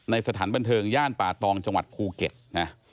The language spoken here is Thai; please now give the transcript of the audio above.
สถานบันเทิงย่านป่าตองจังหวัดภูเก็ตนะ